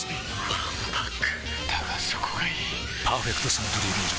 わんぱくだがそこがいい「パーフェクトサントリービール糖質ゼロ」